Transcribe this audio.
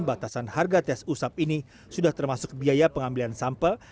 batasan harga tes usap ini sudah termasuk biaya pengambilan sampel